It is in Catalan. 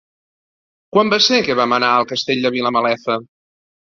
Quan va ser que vam anar al Castell de Vilamalefa?